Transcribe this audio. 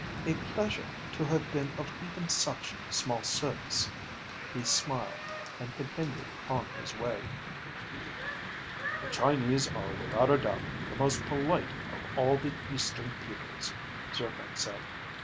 "A pleasure to have been of even such small service." He smiled and continued on his way. "The Chinese are without a doubt the most polite of all the Eastern peoples," Zircon said.